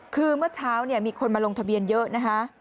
คือเมื่อเช้ามีคนมาลงทะเบียนเยอะนะคะ